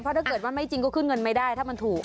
เพราะถ้าไม่จริงก็ขึ้นเงินไม่ได้ถ้ามันถูก